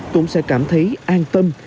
cũng sẽ cảm thấy an tâm